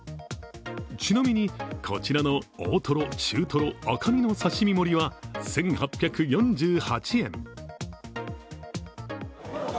ちなみに、こちらの大トロ、中トロ、赤身の刺身盛りは１８４８円。